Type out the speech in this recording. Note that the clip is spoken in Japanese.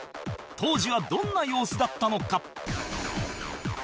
当時はどんな様子だったのか？